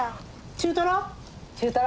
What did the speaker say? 中トロ？